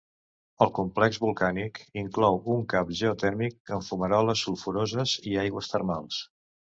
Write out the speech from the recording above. El complex volcànic inclou un camp geotèrmic amb fumaroles sulfuroses i aigües termals.